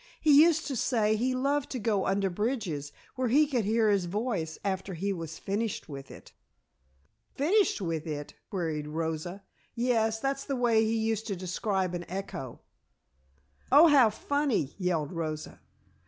"He used to say he loved to go under bridges, where he could hear his voice after he was finished with it." "Finished with it?" queried Rosa. "Yes; that's the way he used to describe an echo." "Oh, how funny!" yelled Rosa.